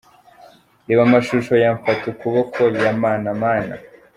Reba amashusho ya ‘Mfata ukuboko’ ya Manamana .